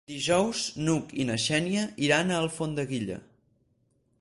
Dijous n'Hug i na Xènia iran a Alfondeguilla.